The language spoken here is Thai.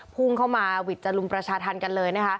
พุ่งเข้ามาหวิดจะลุมประชาธรรมกันเลยนะคะ